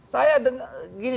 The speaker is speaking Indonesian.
saya dengar gini